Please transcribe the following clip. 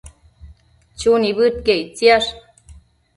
Chu nibëdquiec ictisash